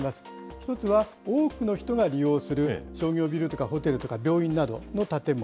１つは多くの人が利用する商業ビルとかホテルとか病院などの建物。